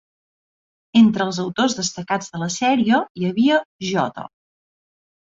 Entre els autors destacats de la sèrie hi havia J.